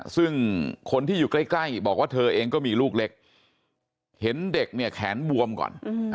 ซึ่งคนที่อยู่ใกล้บอกว่าเธอเองก็มีลูกเล็กเห็นเด็กเนี่ยแขนบวมก่อน